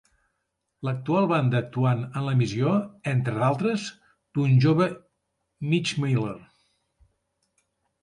L'actual banda actuant en l'emissió, entre d'altres, d'un jove Mitch Miller.